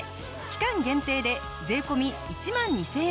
期間限定で税込１万２０００円。